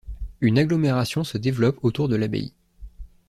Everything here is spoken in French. Une agglomération se développe autour de l'abbaye.